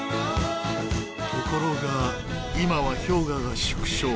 ところが今は氷河が縮小。